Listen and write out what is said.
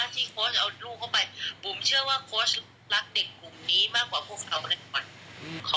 ที่โค้ชเอาลูกเข้าไปบุ๋มเชื่อว่าโค้ชรักเด็กกลุ่มนี้มากกว่าพวกเรา